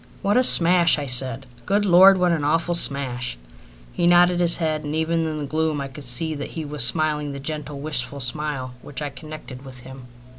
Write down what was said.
"What a smash!" I said. "Good Lord, what an awful smash!" He nodded his head, and even in the gloom I could see that he was smiling the gentle, wistful smile which I connected with him.